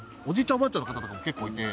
おばあちゃんの方とかも結構いて。